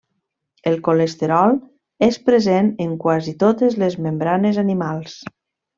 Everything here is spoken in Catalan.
El colesterol és present en quasi totes les membranes animals.